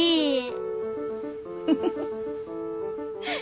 フフフフ。